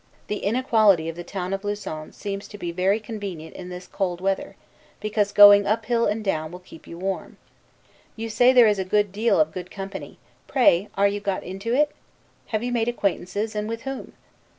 The inequality of the town of Lausanne seems to be very convenient in this cold weather; because going up hill and down will keep you warm. You say there is a good deal of good company; pray, are you got into it? Have you made acquaintances, and with whom?